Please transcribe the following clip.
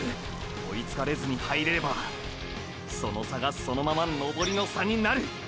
追いつかれずに入れればその差がそのまま登りの差になる！！